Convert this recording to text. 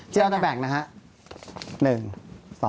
เราจะแบ่งนะครับ